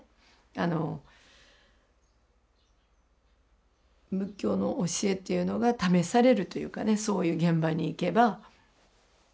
あの仏教の教えというのが試されるというかねそういう現場に行けば。